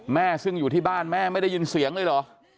แม่ซึ่งอยู่ที่บ้านแม่ไม่ได้ยินเสียงเลยเหรอ